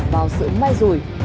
vào sự mai rủi